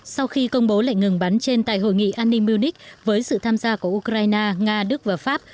sau khi công bố lệnh ngừng bắn trên tại hội nghị an ninh munich với sự tham gia của ukraine nga đức và pháp